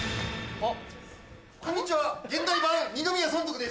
あっ。